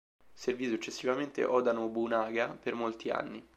Servì successivamente Oda Nobunaga per molti anni.